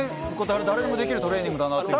誰でもできるトレーニングだ